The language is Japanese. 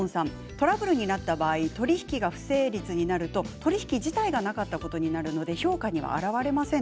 トラブルになった場合取引が不成立になると、取り引き自体がなかったことになるので評価には現れません。